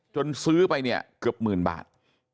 ซื้อไปเนี่ยเกือบหมื่นบาท